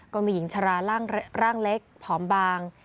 ก็มีหญิงชราร่างเล็กผอมบาง